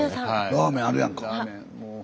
ラーメンあるやんか。